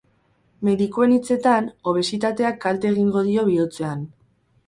Medikuen hitzetan, obesitateak kalte egingo dio bihotzean.